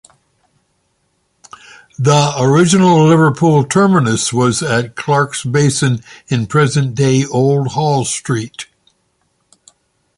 The original Liverpool terminus was at Clarke's Basin in present-day Old Hall Street.